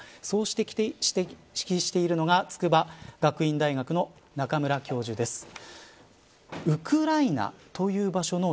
そう指摘しているのが筑波学院大学の中村教授です。